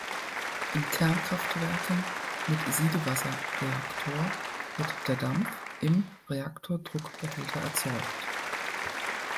In Kernkraftwerken mit Siedewasserreaktor wird der Dampf im Reaktordruckbehälter erzeugt.